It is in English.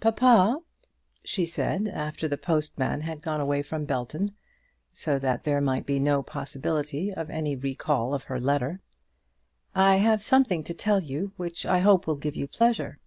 "Papa," she said, after the postman had gone away from Belton, so that there might be no possibility of any recall of her letter, "I have something to tell you which I hope will give you pleasure."